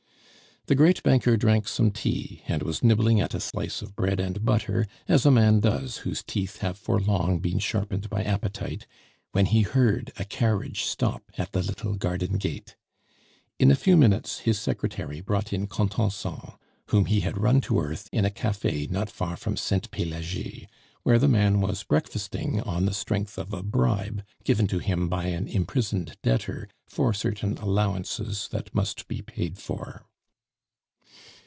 The great banker drank some tea, and was nibbling at a slice of bread and butter, as a man does whose teeth have for long been sharpened by appetite, when he heard a carriage stop at the little garden gate. In a few minutes his secretary brought in Contenson, whom he had run to earth in a cafe not far from Sainte Pelagie, where the man was breakfasting on the strength of a bribe given to him by an imprisoned debtor for certain allowances that must be paid for.